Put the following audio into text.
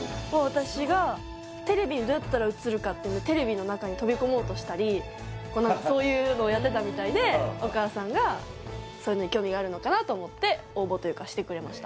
私がテレビにどうやったら映るかってそういうのをやってたみたいでお母さんがそういうのに興味があるのかなと思って応募というかしてくれました